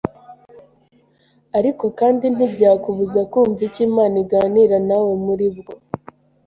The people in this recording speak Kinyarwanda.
ariko kandi ntibyakubuza kumva icyo Imana iganirira nawe muri bwo.